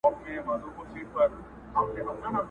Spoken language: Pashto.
له سالو سره به څوك ستايي اورونه!.